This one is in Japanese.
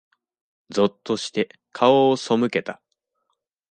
ぞっとして、顔を背けた。